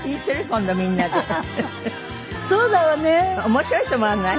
面白いと思わない？